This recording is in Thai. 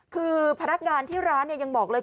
คือพนักงานที่ร้านยังบอกเลย